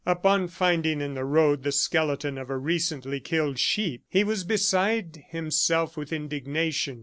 Upon finding in the road the skeleton of a recently killed sheep, he was beside himself with indignation.